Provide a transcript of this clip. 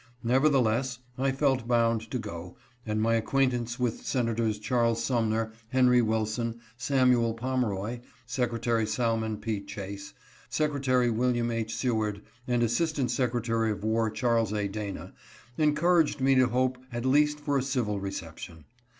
Nevertheless, I felt bound to go, and my acquaintance with Senators Charles Sum ner, Henry Wilson, Samuel Pomeroy, Secretary Salmon P. Chase, Secretary William H. Seward, and Assistant Secretary of War Charles A. Dana encouraged me to hope at least for a civil reception.